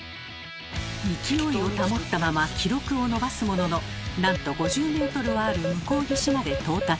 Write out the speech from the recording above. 勢いを保ったまま記録を伸ばすもののなんと５０ｍはある向こう岸まで到達。